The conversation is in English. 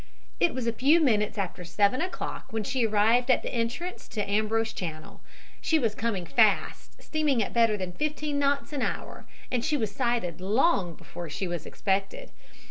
It was a few minutes after seven o'clock when she arrived at the entrance to Ambrose Channel. She was coming fast steaming at better than fifteen knots an hour, and she was sighted long before she was expected.